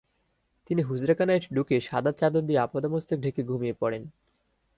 তিনি হুজরাখানায় ঢুকে সাদা চাদর দিয়ে আপাদমস্তক ঢেকে ঘুমিয়ে পড়েন।